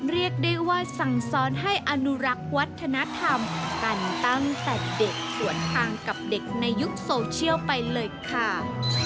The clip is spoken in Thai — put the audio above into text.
เรียกได้ว่าสั่งซ้อนให้อนุรักษ์วัฒนธรรมกันตั้งแต่เด็กสวนทางกับเด็กในยุคโซเชียลไปเลยค่ะ